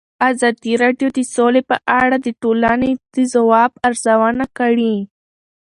ازادي راډیو د سوله په اړه د ټولنې د ځواب ارزونه کړې.